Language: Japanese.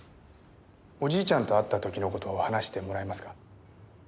おじいちゃんと会った時の事を話してもらえますか？